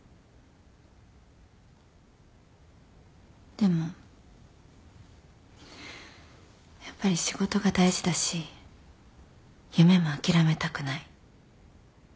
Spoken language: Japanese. でもやっぱり仕事が大事だし夢も諦めたくない。